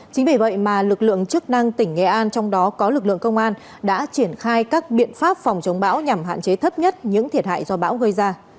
chính vì vậy mà lực lượng chức năng tỉnh nghệ an trong đó có lực lượng công an đã triển khai các biện pháp phòng chống bão nhằm hạn chế thấp nhất những thiệt hại do bão gây ra